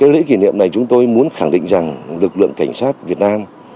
lễ kỷ niệm này chúng tôi muốn khẳng định rằng lực lượng cảnh sát việt nam